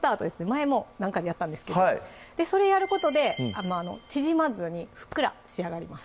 前も何かでやったんですけどそれやることで縮まずにふっくら仕上がります